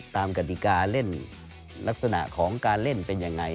กติกาเล่นลักษณะของการเล่นเป็นยังไง